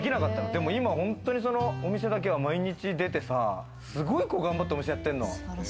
でも今本当に、そのお店だけは毎日出てさ、すごい頑張ってお店やってんの。